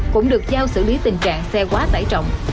cũng được giao xử lý tình trạng xe quá tải trọng